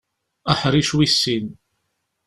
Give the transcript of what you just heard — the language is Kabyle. Aḥric wis sin.